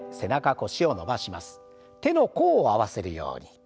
手の甲を合わせるように。